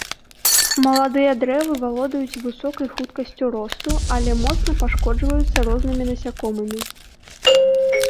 Маладыя дрэвы валодаюць высокай хуткасцю росту, але моцна пашкоджваюцца рознымі насякомымі.